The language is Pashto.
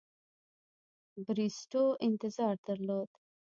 بریسټو انتظار درلود.